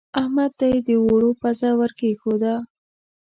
احمد ته يې د اوړو پزه ور کېښوده.